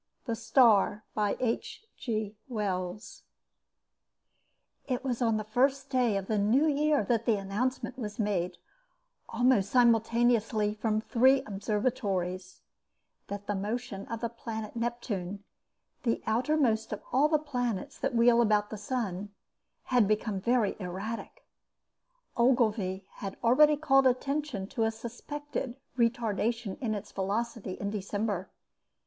The Star THE STAR It was on the first day of the new year that the announcement was made, almost simultaneously from three observatories, that the motion of the planet Neptune, the outermost of all the planets that wheel about the sun, had become very erratic. Ogilvy had already called attention to a suspected retardation in its velocity in December.